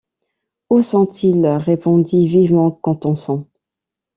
Où sont-ils? répondit vivement Contenson.